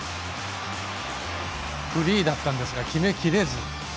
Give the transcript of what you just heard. フリーだったんですが決めきれず。